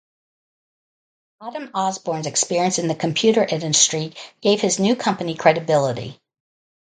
Adam Osborne's experience in the computer industry gave his new company credibility.